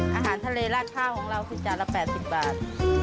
อาหารทะเลราดข้าวของเราคือจานละ๘๐บาท